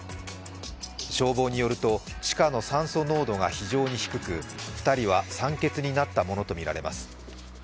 消防によると地下の酸素濃度が非常に低く２人は酸欠になったものとみられます。